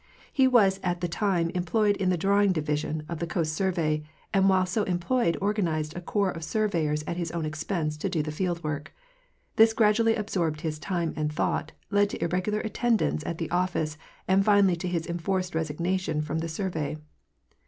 He was at the time employed in the drawing division of the Coast Survey, and while so employed organized a corps of sur veyors at his own expense to do the fieldwork. This gradually absorbed his time and thought, led to irregular attendance at the office, and finally to his enforced resignation from the survey.